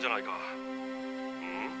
うん？